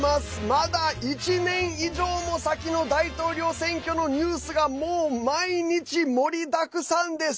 まだ１年以上も先の大統領選挙のニュースがもう毎日、盛りだくさんです。